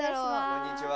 こんにちは。